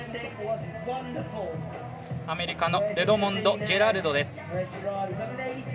アメリカのレドモンド・ジェラルドです。